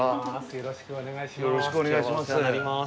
よろしくお願いします。